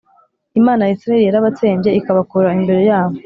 Imana ya Isirayeli yarabatsembye ikabakura imbere yabo